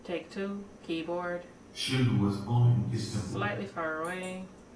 Schild was born in Istanbul.